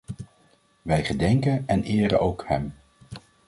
Wij gedenken en eren ook hem.